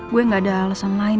gue gak ada alasan lain